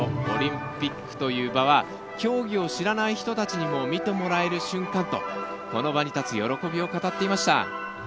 「オリンピックという場は競技を知らない人たちにも見てもらえる瞬間」とこの場に立つ喜びを語っていました。